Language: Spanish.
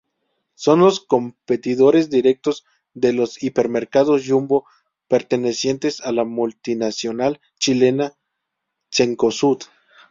Son los competidores directos de los hipermercados Jumbo, pertenecientes a la multinacional chilena Cencosud.